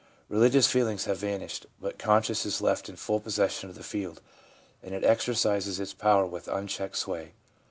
Religious feelings have vanished, but conscience is left in full possession of the field, and it exercises its power with unchecked sway.